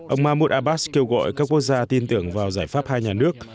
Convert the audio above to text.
ông mahmoud abbas kêu gọi các quốc gia tin tưởng vào giải pháp hai nhà nước